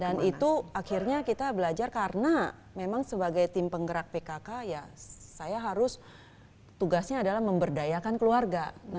dan itu akhirnya kita belajar karena memang sebagai tim penggerak pkk ya saya harus tugasnya adalah memberdayakan keluarga